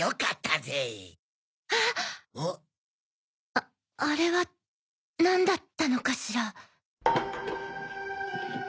ああれはなんだったのかしら。